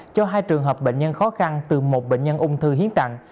cho hai trường hợp bệnh nhân khó khăn từ một bệnh nhân ung thư hiến tặng